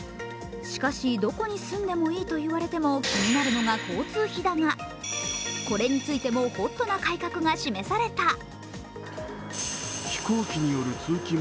しかし、どこに住んでもいいと言われても気になるのが交通費だがこれについてもＨＯＴな改革が示された。